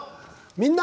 「みんな！